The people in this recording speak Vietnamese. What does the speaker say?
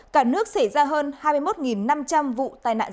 cả nước xảy ra hơn hai mươi một mụn